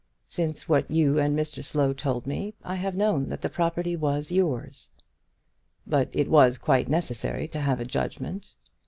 Since what you and Mr Slow told me, I have known that the property was yours." "But it was quite necessary to have a judgment."